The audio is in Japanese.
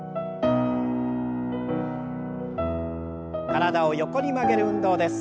体を横に曲げる運動です。